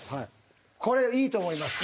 これいいと思います。